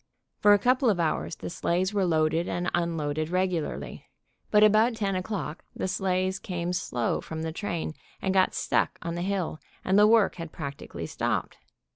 For a couple of hours the sleighs were loaded and unloaded regularly, but about 10 o'clock the sleighs came slow from the train, and got stuck on the hill, and the work had practically stopped.